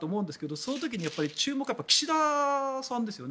その時に注目は岸田さんですよね。